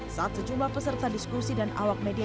saat sejumlah peserta diskusi dan awak media